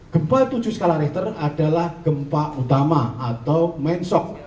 gempa tujuh skala richter adalah gempa utama atau mensok